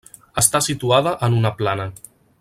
Està situada en una plana.